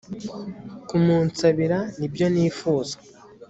kumunsabira ni byo nifuza